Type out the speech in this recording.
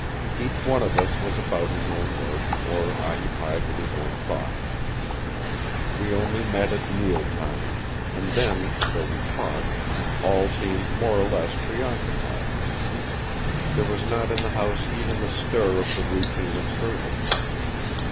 Each one of us was about his own work, or occupied with his own thoughts. We only met at meal times; and then, though we talked, all seemed more or less preoccupied. There was not in the house even the stir of the routine of service.